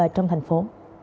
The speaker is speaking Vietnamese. trong thành phố